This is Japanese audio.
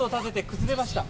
崩れました。